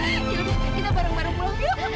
ya ibu kita bareng bareng pulang yuk